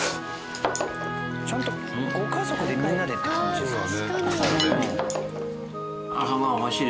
ちゃんとご家族でみんなでって感じですかね。